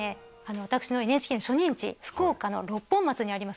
私のＮＨＫの初任地福岡の六本松にあります